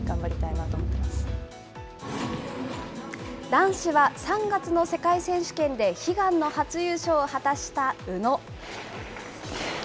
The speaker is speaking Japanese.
男子は３月の世界選手権で悲願の初優勝を果たした宇野。